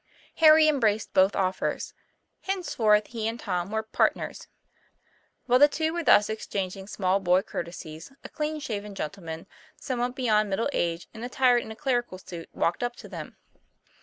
Harry embraced both offers. Henceforth he and Tom were "partners." While the two were thus exchanging small boy courtesies, a clean shaven gentleman, somewhat be yond middle age and attired in a clerical suit, walked up to them.